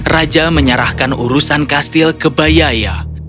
raja menyerahkan urusan kastil ke bayaya